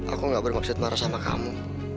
aku gak bermaksud marah sama kamu